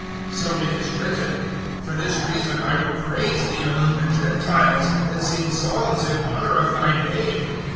So it is written, "For this reason I will praise Thee among the Gentiles, and sing psalms in honour of Thy name."